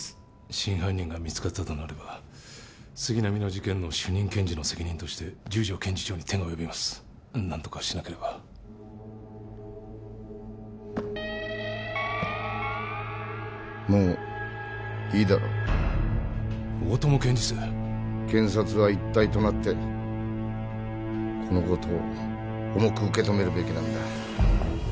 真犯人が見つかったとなれば杉並の事件の主任検事の責任で十条検事長に手が及びます何とかしなければもういいだろう大友検事正検察は一体となってこのことを重く受け止めるべきなんだ